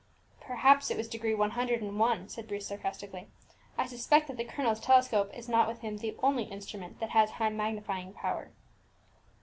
"Perhaps it was degree one hundred and one," said Bruce sarcastically. "I suspect that the colonel's telescope is not with him the only instrument that has high magnifying power."